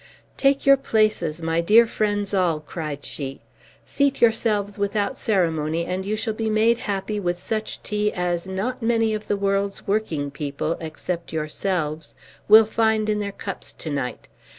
"Take your places, my dear friends all," cried she; "seat yourselves without ceremony, and you shall be made happy with such tea as not many of the world's working people, except yourselves, will find in their cups to night.